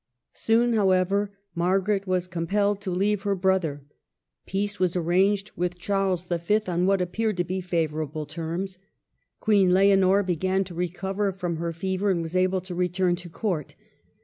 Soon, however, Margaret was compelled to leave her brother. Peace was arranged with Charles V. on what appeared to be favorable terms. Queen Leonor began to recover from her fever, and was able to return to Court.